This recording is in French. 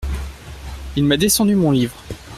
Il m’a descendu mon livre.